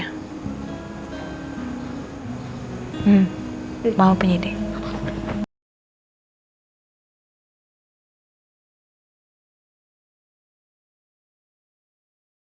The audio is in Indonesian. hmm mama punya deh